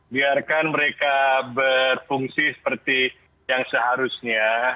biarkan mereka berfungsi seperti yang seharusnya